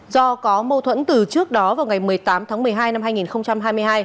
do có mâu thuẫn từ trước đó vào ngày một mươi tám tháng một mươi hai năm hai nghìn hai mươi hai